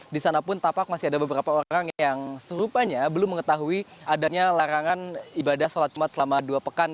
di sana pun tampak masih ada beberapa orang yang serupanya belum mengetahui adanya larangan ibadah sholat jumat selama dua pekan